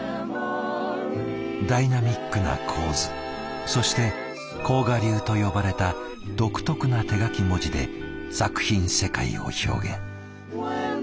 ダイナミックな構図そして甲賀流と呼ばれた独特な手描き文字で作品世界を表現。